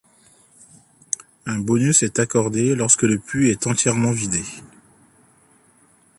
Un bonus est accordé lorsque le puits est entièrement vidé.